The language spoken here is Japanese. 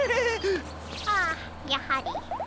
ああやはり。